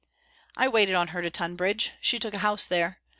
"I waited on her to Tunbridge. She took a house there.